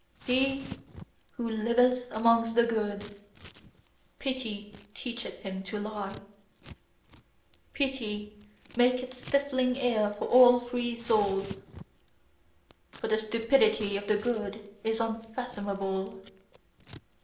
He who liveth amongst the good pity teacheth him to lie. Pity maketh stifling air for all free souls. For the stupidity of the good is unfathomable.